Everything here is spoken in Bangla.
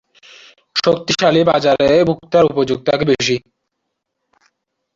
শক্তিশালী বাজারে ভোক্তার উপযোগ থাকে বেশি।